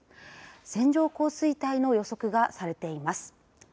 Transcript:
線状降水帯の予測がされています。